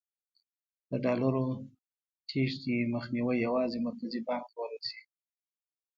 د ډالرو تېښتې مخنیوی یوازې مرکزي بانک کولای شي.